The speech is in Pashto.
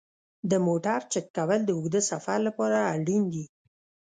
د موټر چک کول د اوږده سفر لپاره اړین دي.